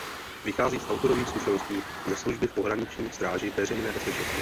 Vychází z autorových zkušeností ze služby v Pohraniční stráži Veřejné bezpečnosti.